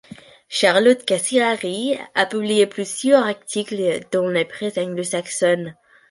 Charlotte Casiraghi a publié plusieurs articles dans la presse anglo-saxonne.